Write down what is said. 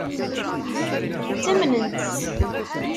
Ttamnent-tt.